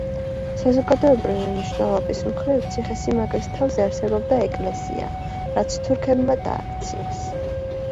საზოგადოებრივი მნიშვნელობის მხრივ, ციხე-სიმაგრის თავზე არსებობდა ეკლესია, რაც თურქებმა დააქციეს.